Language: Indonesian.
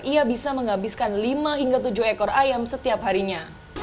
ia bisa menghabiskan lima hingga tujuh ekor ayam setiap harinya